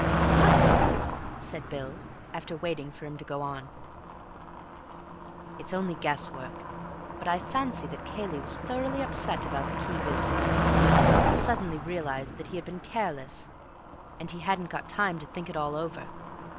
"What?" said Bill, after waiting for him to go on. "It's only guesswork. But I fancy that Cayley was thoroughly upset about the key business. He suddenly realized that he had been careless, and he hadn't got time to think it all over.